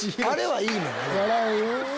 あれはいいのよ。